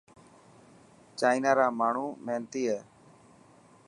چائنا را ماڻهومهينتي هي.